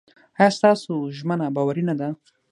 ایا ستاسو ژمنه باوري نه ده؟